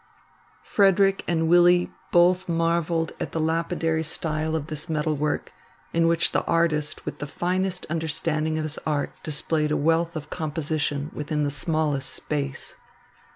Frederick and Willy both marvelled at the lapidary style of this metal work, in which the artist with the finest understanding of his art displayed a wealth of composition within the smallest space.